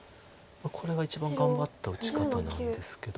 これが一番頑張った打ち方なんですけど。